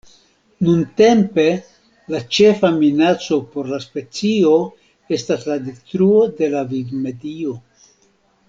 Nuntempe, la ĉefa minaco por la specio estas la detruo de la vivmedio.